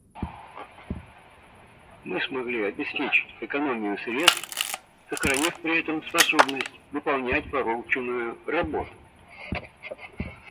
Мы смогли обеспечить экономию средств, сохранив при этом способность выполнять порученную работу.